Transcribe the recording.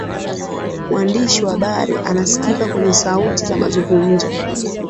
mwandishi wa habari anasikika kwenye sauti za mazungumzo